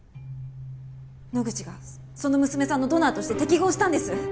野口がその娘さんのドナーとして適合したんです！